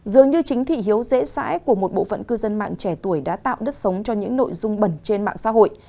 dường như chính thị hiếu dễ dãi của một bộ phận cư dân mạng trẻ tuổi đã tạo đất sống cho những nội dung bẩn trên mạng xã hội